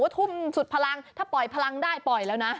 ทุ่มสุดพลังถ้าปล่อยพลังได้ปล่อยแล้วนะ